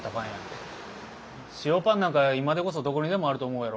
塩パンなんか今でこそどこにでもあると思うやろ？